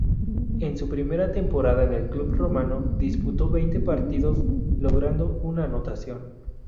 En su primera temporada en el club romano disputó veinte partidos, logrando una anotación.